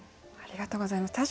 ありがとうございます。